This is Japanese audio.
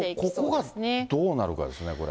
ここがどうなるかですね、これ。